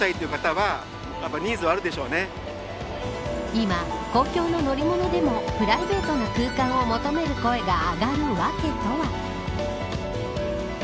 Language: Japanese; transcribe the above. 今、公共の乗り物でもプライベートな空間を求める声が上がるわけとは。